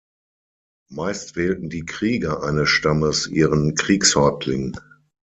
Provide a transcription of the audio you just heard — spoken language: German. Meist wählten die Krieger eines Stammes ihren Kriegshäuptling.